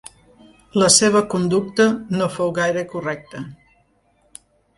La seva conducta no fou gaire correcta.